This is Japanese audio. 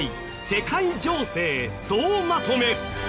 世界情勢総まとめ。